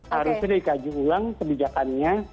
harusnya dikaji ulang kebijakannya